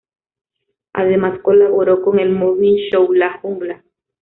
Además, colaboró con el morning show 'La Jungla'.